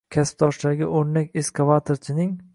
Kasbdoshlariga o‘rnak ekskvatorching